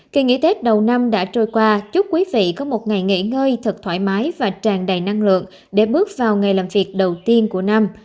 kỳ nghỉ tết đầu năm đã trôi qua chúc quý vị có một ngày nghỉ ngơi thật thoải mái và tràn đầy năng lượng để bước vào ngày làm việc đầu tiên của năm